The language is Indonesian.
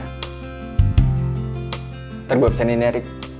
ntar gue pesenin ya rik